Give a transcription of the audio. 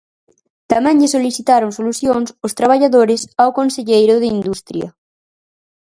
Tamén lle solicitaron solucións os traballadores ao conselleiro de Industria.